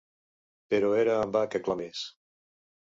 Però era en va que clamés.